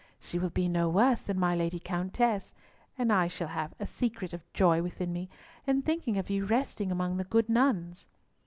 She will be no worse than my Lady Countess, and I shall have a secret of joy within me in thinking of you resting among the good nuns."